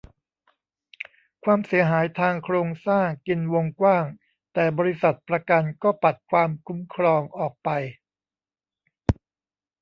ความเสียหายทางโครงสร้างกินวงกว้าง แต่บริษัทประกันก็ปัดความคุ้มครองออกไป